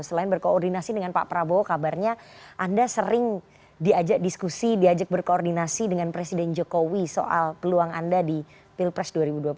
selain berkoordinasi dengan pak prabowo kabarnya anda sering diajak diskusi diajak berkoordinasi dengan presiden jokowi soal peluang anda di pilpres dua ribu dua puluh empat